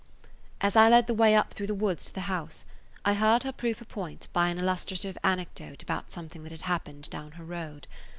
As I led the way up through the woods to the house I heard her prove her point by an illustrative anecdote about something that had happened down her road.